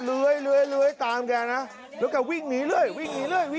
เลื้อยเลื้อยเลื้อยตามแกน่ะแล้วก็วิ่งหนีเรื่อยวิ่งหนีเรื่อย